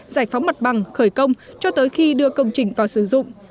giải phóng mặt bằng khởi công cho tới khi đưa công trình vào sử dụng